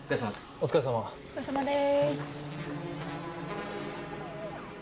お疲れさまです。